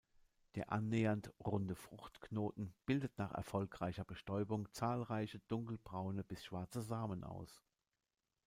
Der annähernd runde Fruchtknoten bildet nach erfolgreicher Bestäubung zahlreiche dunkelbraune bis schwarze Samen aus.